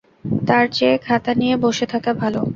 তার চেয়ে খাতা নিয়ে বসে থাকা ভালো।